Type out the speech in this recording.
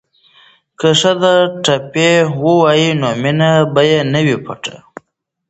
که ښځې ټپې ووايي نو مینه به نه وي پټه.